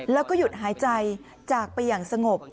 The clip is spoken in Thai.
แล้วก็หยุดหายใจจากไปอย่างสงบ